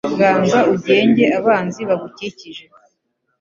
Ganza ugenge abanzi bagukikije